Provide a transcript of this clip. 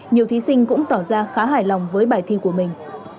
nhiều thí sinh cũng tỏ ra khá hài lòng với bài thi của mình